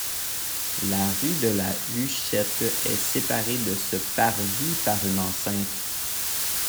La rue de la Huchette est séparée de ce parvis par une enceinte.